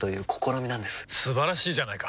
素晴らしいじゃないか！